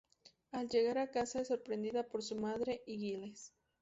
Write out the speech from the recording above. Al llegar a casa es sorprendida por su madre y Giles.